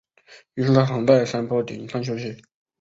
于是他躺在山坡顶上休息。